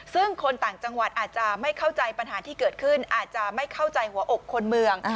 ซึ่งคนต่างจังหวัดอาจจะไม่เข้าใจปัญหาที่เกิดขึ้นอาจจะไม่เข้าใจหัวอกคนเมือง